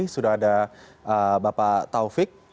sudah ada bapak taufik